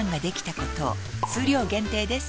数量限定です